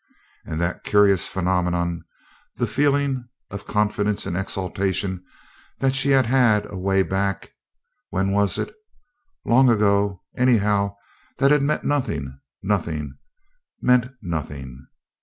And that curious phenomenon that feeling of confidence and exultation that she had had away back when was it? Long ago, anyhow that had meant nothing nothing meant nothing.